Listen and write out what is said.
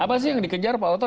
apa sih yang dikejar pak oto